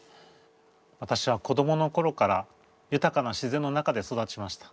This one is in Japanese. わたしは子どもの頃からゆたかな自然の中で育ちました。